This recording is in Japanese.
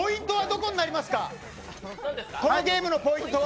このゲームのポイントは。